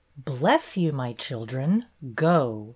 "Bless you, my children! Go!"